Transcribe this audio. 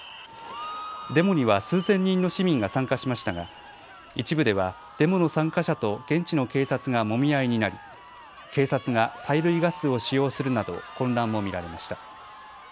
デモには数千人の市民が参加しましたが一部ではデモの参加者と現地の警察がもみ合いになり警察が催涙ガスを使用するなど混乱も見られました。